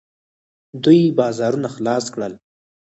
دوی بازارونه خلاص کړل.